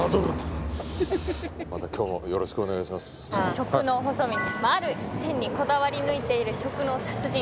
食の細道、ある一点にこだわり抜いている食の達人。